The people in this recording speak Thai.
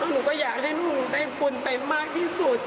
หนูก็อยากให้ลูกหนูได้บุญไปมากที่สุด